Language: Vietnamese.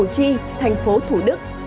chi thành phố thủ đức